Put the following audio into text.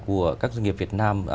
của các doanh nghiệp việt nam